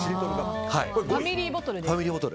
ファミリーボトル。